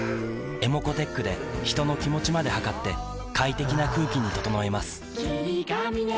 ｅｍｏｃｏーｔｅｃｈで人の気持ちまで測って快適な空気に整えます